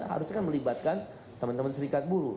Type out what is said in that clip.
harusnya kan melibatkan teman teman serikat buruh